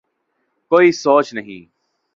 کوئی سوچ نہیں ہے۔